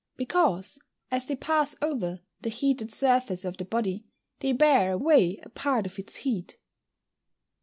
_ Because, as they pass over the heated surface of the body, they bear away a part of its heat.